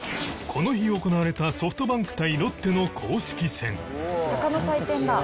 この日行われたソフトバンク対ロッテの公式戦「鷹の祭典だ」